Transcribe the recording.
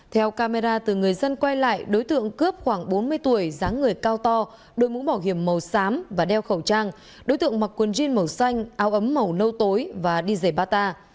theo camera từ người dân quay lại đối tượng cướp khoảng bốn mươi tuổi dáng người cao to đôi mũ bảo hiểm màu xám và đeo khẩu trang đối tượng mặc quần jean màu xanh áo ấm màu nâu tối và đi dày bata